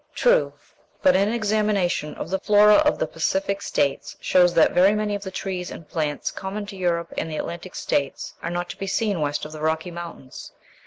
True; but an examination of the flora of the Pacific States shows that very many of the trees and plants common to Europe and the Atlantic States are not to be seen west of the Rocky Mountains.